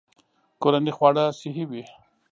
کورني خواړه صحي وي.